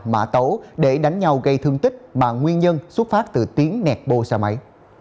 mã tấu để đánh nhau gây thương tích mà nguyên nhân xuất phát từ tiếng nẹt bô xe máy